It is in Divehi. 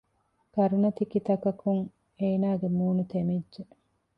ކަރުނަތިކިތަކުން އޭނާގެ މޫނު ތެމިއްޖެ